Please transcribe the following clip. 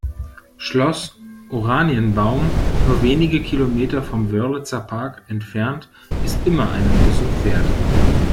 Schloss Oranienbaum, nur wenige Kilometer vom Wörlitzer Park entfernt, ist immer einen Besuch wert.